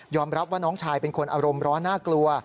รับว่าน้องชายเป็นคนอารมณ์ร้อนน่ากลัว